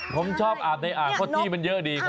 ผมชอบอาบในอ่างเพราะที่มันเยอะดีครับ